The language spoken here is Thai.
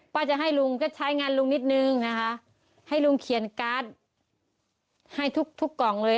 จะให้ลุงก็ใช้งานลุงนิดนึงนะคะให้ลุงเขียนการ์ดให้ทุกทุกกล่องเลย